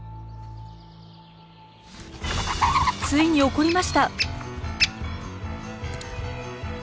ついに怒りました！